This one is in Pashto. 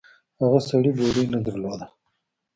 هغه سړي بوړۍ نه درلوده.